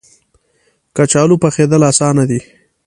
کچالو پخېدل اسانه دي